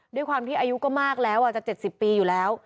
ด้วยความที่อายุก็มากแล้วจะ๗๐ปีอยู่แล้ว